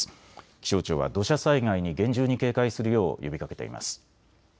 気象庁は土砂災害に厳重に警戒するよう呼びかけています。